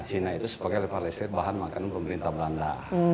cina itu sebagai lepas lecer bahan makanan pemerintah belanda